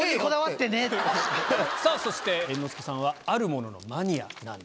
さぁそして猿之助さんはあるもののマニアなんですね。